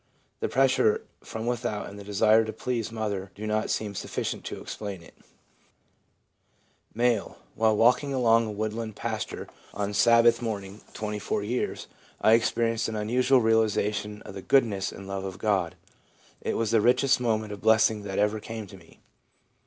The pressure from without and the desire to please mother do not seem sufficient to explain it/ M. % While walking along a woodland pasture one Sabbath 20o THE PSYCHOLOGY OF RELIGION morning (24 years) I experienced an unusual realisa tion of the goodness and love of God. It was the richest moment of blessing that ever came to me.'